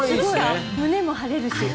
胸も張れるし。